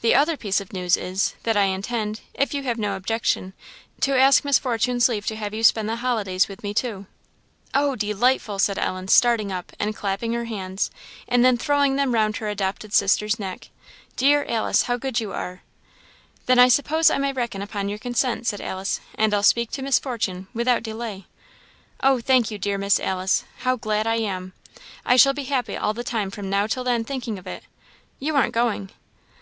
The other piece of news is, that I intend, if you have no objection, to ask Miss Fortune's leave to have you spend the holidays with me too." "Oh, delightful!" said Ellen, starting up, and clapping her hands, and then throwing them round her adopted sister's neck; "dear Alice, how good you are!" "Then I suppose I may reckon upon your consent," said Alice "and I'll speak to Miss Fortune, without delay." "Oh, thank you, dear Miss Alice; how glad I am! I shall be happy all the time from now till then thinking of it. You aren't going?"